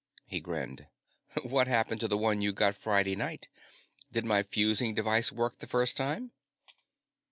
He grinned. "What happened to the one you got Friday night? Did my fusing device work the first time?"